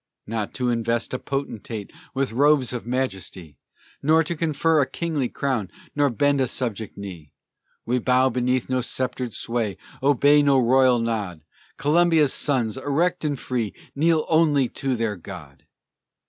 Not to invest a potentate With robes of majesty, Not to confer a kingly crown, Nor bend a subject knee. We bow beneath no sceptred sway, Obey no royal nod: Columbia's sons, erect and free, Kneel only to their God!